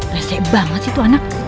rese banget sih tuh anak